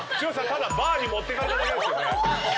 ただバーに持ってかれただけですよね。